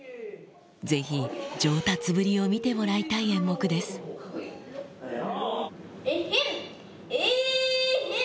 ぜひ上達ぶりを見てもらいたい演目ですエヘンエヘン。